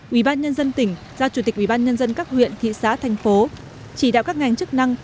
ubnd tỉnh giao chủ tịch ubnd các huyện thị xã thành phố chỉ đạo các ngành chức năng